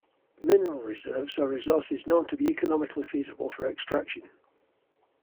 Mineral reserves are resources known to be economically feasible for extraction.